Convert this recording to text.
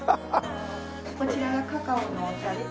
こちらがカカオのお茶です。